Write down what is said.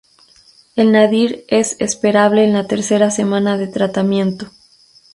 El nadir es esperable en la tercera semana de tratamiento.